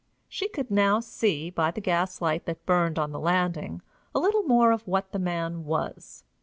She could now see, by the gaslight that burned on the landing, a little more of what the man was.